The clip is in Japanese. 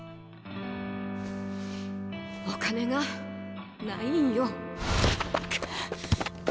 お金がないんよ。